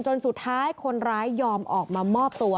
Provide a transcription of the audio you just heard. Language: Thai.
สุดท้ายคนร้ายยอมออกมามอบตัว